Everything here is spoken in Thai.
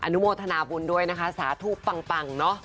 นุโมทนาบุญด้วยนะคะสาธุปปังเนาะ